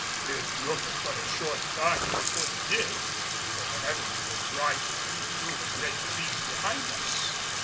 It looked but a short time before the day, for the heavens were brightening through the great trees behind us.